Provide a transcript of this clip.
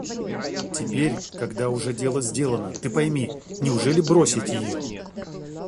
Теперь, когда уже дело сделано, — ты пойми,— неужели бросить ее?